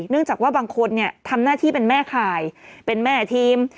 เนื่องจากว่าบางคนทำหน้าที่เป็นแม่คายเป็นแม่ทีม